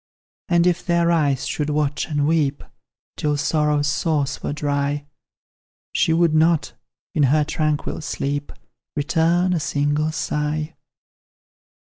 And, if their eyes should watch and weep Till sorrow's source were dry, She would not, in her tranquil sleep, Return a single sigh!